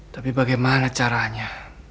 tapi bagaimana caranya